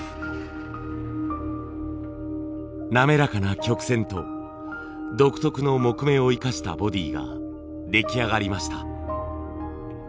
滑らかな曲線と独特の木目を生かしたボディーが出来上がりました。